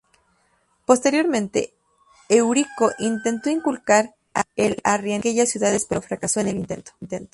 Posteriormente, Eurico intentó inculcar el arrianismo a aquellas ciudades pero fracasó en el intento.